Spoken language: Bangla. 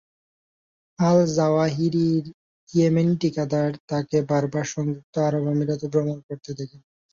আল-জাওয়াহিরির ইয়েমেনীয় ঠিকাদার তাকে বারবার সংযুক্ত আরব আমিরাতে ভ্রমণ করতে দেখেন।